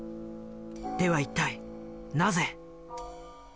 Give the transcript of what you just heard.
では一体なぜ？